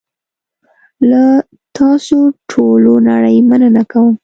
له تاسوټولونړۍ مننه کوم .